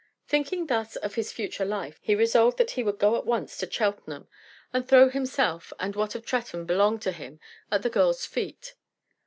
Thinking thus of his future life, he resolved that he would go at once to Cheltenham, and throw himself, and what of Tretton belonged to him, at the girl's feet.